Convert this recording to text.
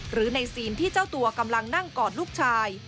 หรือในซีนที่เจ้าตัวกำลังนั่งกอดลูกชาย